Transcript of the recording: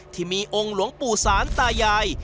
ที่มีองค์หลวงปู่ศาลตายาย